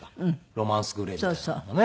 ロマンスグレーみたいなのがね。